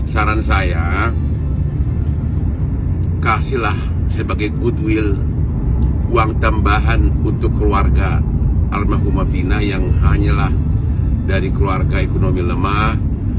saran saya kasihlah sebagai goodwill uang tambahan untuk keluarga almarhumah fina yang hanyalah dari keluarga ekonomi lemah